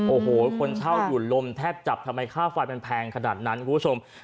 โอ้โหคนเช่าอยู่ลมแทบจับทำไมค่าไฟมันแพงขนาดนั้นคุณผู้ชม